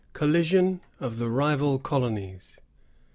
COLLISION OF THE RIVAL COLONIES.